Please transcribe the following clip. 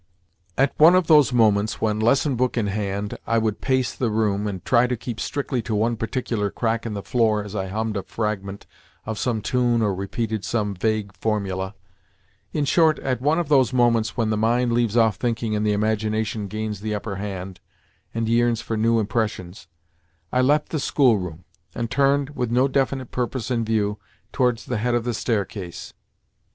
At one of those moments when, lesson book in hand, I would pace the room, and try to keep strictly to one particular crack in the floor as I hummed a fragment of some tune or repeated some vague formula—in short, at one of those moments when the mind leaves off thinking and the imagination gains the upper hand and yearns for new impressions—I left the schoolroom, and turned, with no definite purpose in view, towards the head of the staircase.